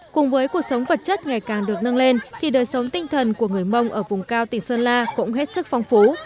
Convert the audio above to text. cùng với cuộc sống vật chất ngày càng được nâng lên thì đời sống tinh thần của người mông ở vùng cao tỉnh sơn la cũng hết sức phong phú